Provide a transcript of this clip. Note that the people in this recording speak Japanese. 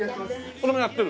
それもやってる？